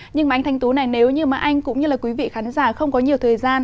nhưng mà anh thanh tú này nếu như mà anh cũng như là quý vị khán giả không có nhiều thời gian